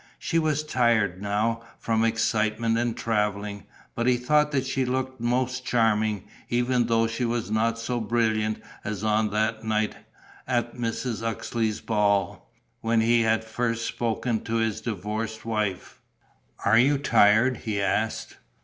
She was tired now, from excitement and travelling; but he thought that she looked most charming, even though she was not so brilliant as on that night, at Mrs. Uxeley's ball, when he had first spoken to his divorced wife. "Are you tired?" he asked.